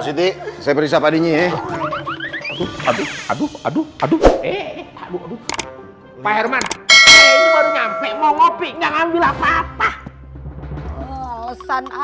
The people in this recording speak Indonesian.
siti saya periksa padinya aduh aduh aduh aduh aduh aduh pak herman ngopi ngambil apa apa